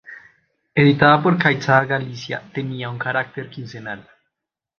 Editada por Caixa Galicia, tenía carácter quincenal.